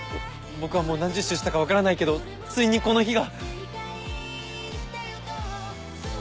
僕はもう何十周したか分からないけどついにこの日が。